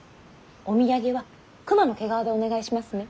お土産は熊の毛皮でお願いしますね。